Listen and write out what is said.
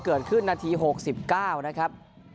เกิดขึ้นนาที๖๙นะครับ